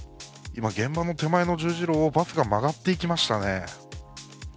今、現場の手前の十字路をバスが曲がっていきましたね。